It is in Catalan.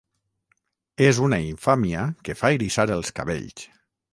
És una infàmia que fa eriçar els cabells!